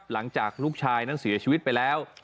หลังจากลูกชายนั้นเสียชีวิตไปแล้ว